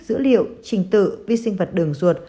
dữ liệu trình tự vi sinh vật đường ruột